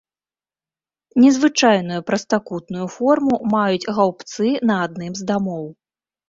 Незвычайную прастакутную форму маюць гаўбцы на адным з дамоў.